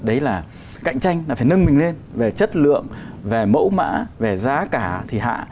đấy là cạnh tranh là phải nâng mình lên về chất lượng về mẫu mã về giá cả thì hạ